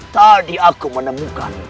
tadi aku menemukan